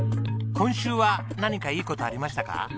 今週は何かいい事ありましたか？